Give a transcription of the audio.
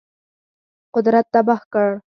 قدرت تباه کړ.